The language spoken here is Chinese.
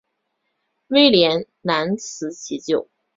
威廉难辞其咎。